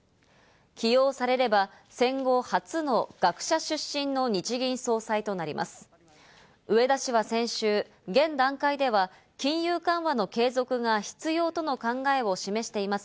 起用されれば戦後初の学者出身の日銀総裁となります。